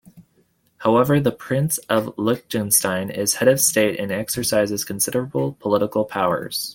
However the Prince of Liechtenstein is head of state and exercises considerable political powers.